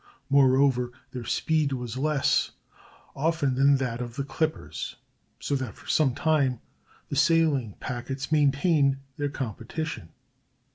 Moreover, their speed was less, often, than that of the "clippers," so that for some time the sailing packets maintained their competition.